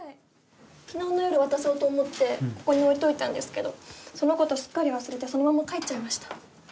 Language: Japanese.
昨日の夜渡そうと思ってここに置いといたんですけどそのことすっかり忘れてそのまま帰っちゃいました。